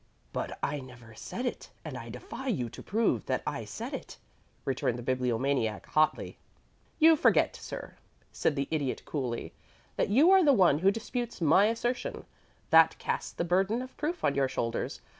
"But I never said it, and I defy you to prove that I said it," returned the Bibliomaniac, hotly. "You forget, sir," said the Idiot, coolly, "that you are the one who disputes my assertion. That casts the burden of proof on your shoulders.